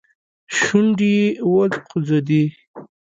شونډي يې وخوځېدې.